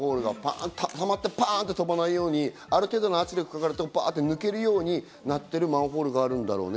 たまってパンと飛ばないように、ある程度圧力がかかると抜けるようになってるマンホールがあるんだろうね。